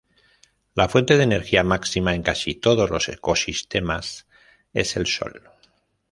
La fuente de energía máxima en casi todos los ecosistemas es el sol.